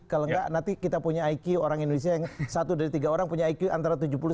kalau enggak nanti kita punya iq orang indonesia yang satu dari tiga orang punya iq antara tujuh puluh satu